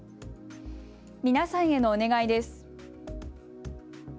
皆さんへのお願いです。